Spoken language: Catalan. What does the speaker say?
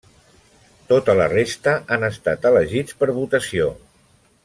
Tota la resta han estat elegits per votació.